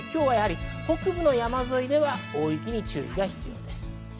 北部の山沿いでは大雪の注意が必要です。